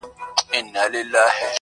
و حاکم ته سو ور وړاندي په عرضونو،